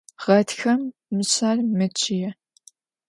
Ğatxem mışser meççıê.